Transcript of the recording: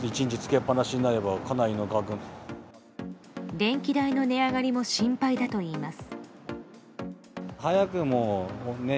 電気代の値上がりも心配だといいます。